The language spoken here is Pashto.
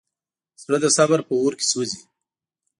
زړه د صبر په اور کې سوځي.